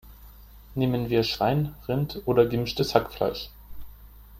Nehmen wir Schwein, Rind oder gemischtes Hackfleisch?